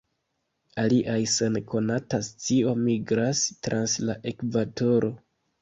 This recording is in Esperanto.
Aliaj sen konata scio migras trans la Ekvatoro.